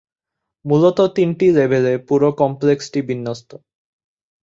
মুলত তিনটি লেভেলে পুরো কমপ্লেক্সটি বিন্যস্ত।